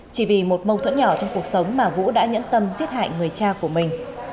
chỉ vì một mâu thuẫn nhỏ trong cuộc sống mà vũ đã nhẫn tâm giết hại người cha của mình